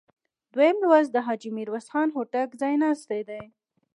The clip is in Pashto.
دویم لوست د حاجي میرویس خان هوتک ځایناستي دي.